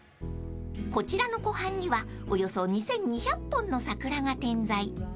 ［こちらの湖畔にはおよそ２，２００本の桜が点在］